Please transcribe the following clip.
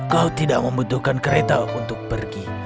kau tidak membutuhkan kereta untuk pergi